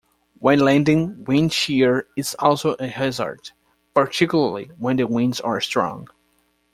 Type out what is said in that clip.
When landing, wind shear is also a hazard, particularly when the winds are strong.